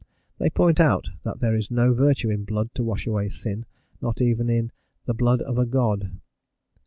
They point out that there is no virtue in blood to wash away sin, not even "in the blood of a God."